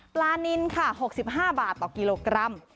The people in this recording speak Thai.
ปลานินค่ะ๖๕บาทต่อกิโลกรัม